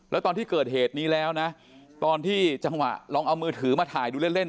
แล้วตอนที่เกิดเหตุนี้แล้วนะตอนที่จังหวะลองเอามือถือมาถ่ายดูเล่นเล่น